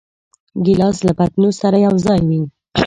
ګیلاس له پتنوس سره یوځای وي.